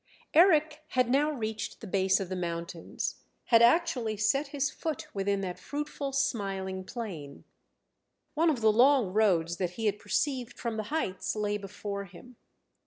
Eric had now reached the base of the mountains, had actually set his foot within that fruitful, smiling plain. One of the long roads that he had perceived from the heights lay before him.